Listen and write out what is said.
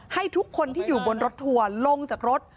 ให้ทุกคนที่อยู่บนรถทัวร์ลงจากรถ